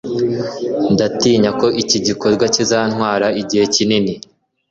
Ndatinya ko iki gikorwa kizantwara igihe kinini.